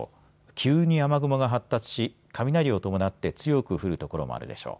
急に雨雲が発達し、雷を伴って強く降る所もあるでしょう。